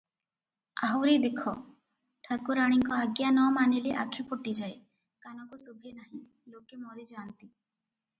ଆହୁରି ଦେଖ; ଠାକୁରାଣୀଙ୍କ ଆଜ୍ଞା ନ ମାନିଲେ ଆଖି ଫୁଟିଯାଏ, କାନକୁ ଶୁଭେ ନାହିଁ, ଲୋକେ ମରିଯାନ୍ତି ।